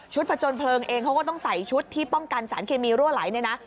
ผจญเพลิงเองเขาก็ต้องใส่ชุดที่ป้องกันสารเคมีรั่วไหลเนี่ยนะ